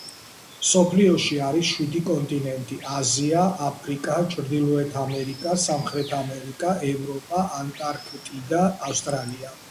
მსოფლიოში არის შვიდი კონტინენტი: აზია, აფრიკა, ჩრდილოეთ ამერიკა, სამხრეთ ამერიკა, ევროპა, ანტარქტიდა, ავსტრალია.